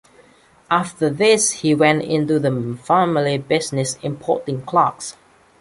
After this he went into the family business importing clocks.